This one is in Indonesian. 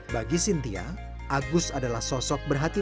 bagi sintia agus adalah sosok berhatian